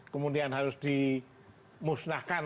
kemudian harus dimusnahkan